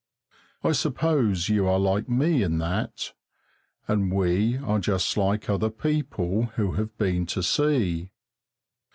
I suppose you are like me in that, and we are just like other people who have been to sea.